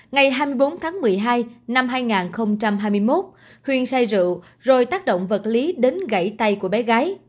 ngày hai mươi bốn tháng một mươi hai năm hai nghìn hai mươi một huyền say rượu rồi tác động vật lý đến gãy tay của bé gái